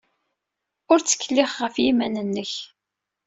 Ur ttkelliɣ ɣef yiman-nnek.